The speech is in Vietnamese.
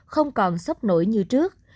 không còn sốc nổi như trước